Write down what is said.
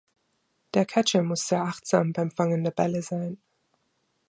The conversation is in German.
Der Catcher muss sehr achtsam beim Fangen der Bälle sein.